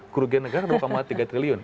kerugian negara sudah berpamah tiga triliun